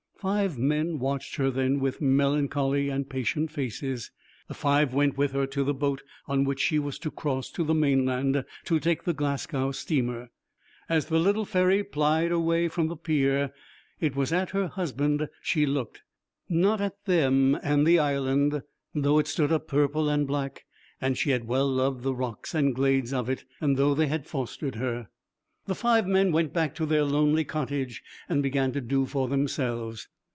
Five men watched her then with melancholy and patient faces. The five went with her to the boat on which she was to cross to the mainland to take the Glasgow steamer. As the little ferry plied away from the pier it was at her husband she looked, not at them and the Island, though it stood up purple and black, and she had well loved the rocks and glades of it, and though they had fostered her. The five men went back to their lonely cottage and began to do for themselves.